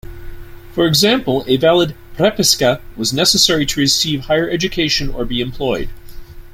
For example, a valid "propiska" was necessary to receive higher education or be employed.